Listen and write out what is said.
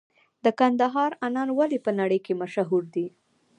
د کندهار انار ولې په نړۍ کې مشهور دي؟